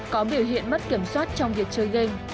có biểu hiện mất kiểm soát trong việc chơi game